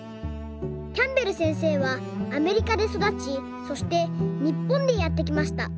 キャンベルせんせいはアメリカでそだちそしてにっぽんにやってきました。